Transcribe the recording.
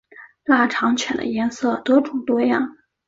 腊肠犬的颜色多种多样。